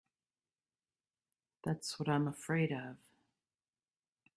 That's what I'm afraid of.